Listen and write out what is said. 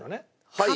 はい。